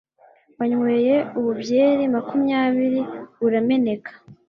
Wanyweye ubu byeri makumyabiri urameneka